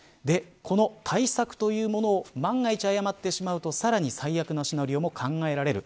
この対策というものを万が一誤ってしまうとさらに最悪なシナリオも考えられる。